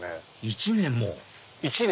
１年も！